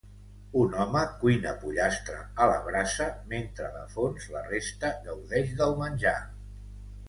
Un home cuina pollastre a la brasa, mentre de fons la resta gaudeix del menjar.